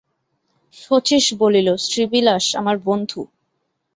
শচীশ বলিল, শ্রীবিলাস, আমার বন্ধু।